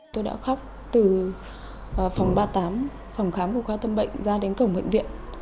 tôi đã khóc từ phòng ba mươi tám phòng khám của khoa tâm bệnh ra đến cổng bệnh viện